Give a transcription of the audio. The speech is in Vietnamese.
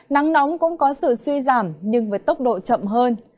nắng nóng cũng có sự suy giảm nhưng với tốc độ chậm hơn